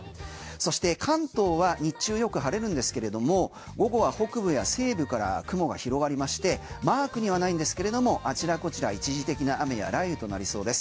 そして、関東は日中よく晴れるんですけれども午後は北部や西部から雲が広がりましてマークにはないんですけれどもあちらこちら一時的な雨や雷雨となりそうです。